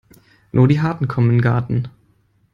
Nur die Harten kommen in den Garten.